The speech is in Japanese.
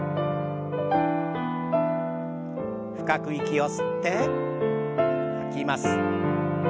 深く息を吸って吐きます。